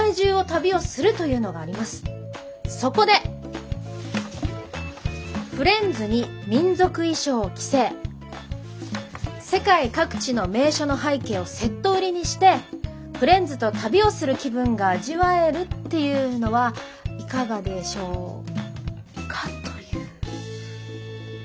そこでフレンズに民族衣装を着せ世界各地の名所の背景をセット売りにしてフレンズと旅をする気分が味わえるっていうのはいかがでしょうかという。